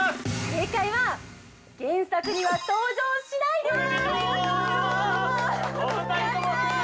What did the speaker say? ◆正解は「原作には登場しない」です。